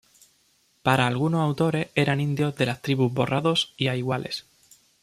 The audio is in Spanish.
Para algunos autores eran indios de las tribus Borrados y A iguales.